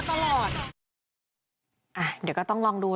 ว่าไม่ได้ทำร้ายลูก